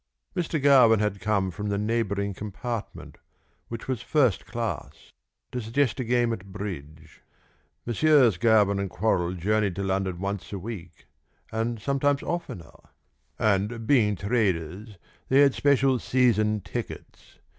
Mr. Garvin had come from the neighbouring compartment, which was first class, to suggest a game at bridge. Messieurs Garvin and Quorrall journeyed to London once a week and sometimes oftener, and, being traders, they had special season tickets.